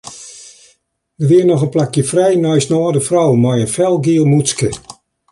Der wie noch in plakje frij neist in âlde frou mei in felgiel mûtske.